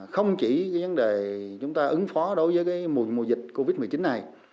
không chỉ vấn đề chúng ta ứng phó đối với mùa mùa dịch covid một mươi chín này